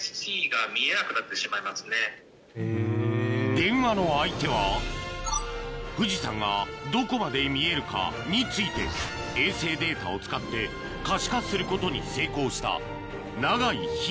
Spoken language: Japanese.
電話の相手は富士山がどこまで見えるかについて衛星データを使って可視化することに成功した